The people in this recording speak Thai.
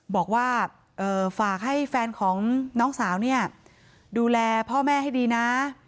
บอกว่าฝากให้แฟนของน้องสาวเนี่ยดูแลพ่อแม่ให้ดีนะ